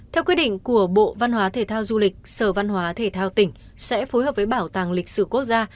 theo quyết định của bộ văn hóa thể thao du lịch sở văn hóa thể thao tỉnh sẽ phối hợp với bảo tàng lịch sử quốc gia